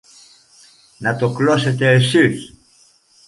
Να το κλώσετε σεις!